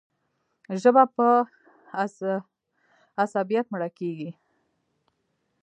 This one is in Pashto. ژبه په عصبیت مړه کېږي.